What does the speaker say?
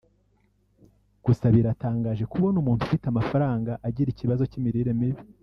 gusa biratangaje kubona umuntu ufite amafaranga agira ikibazo cy’imirire mibi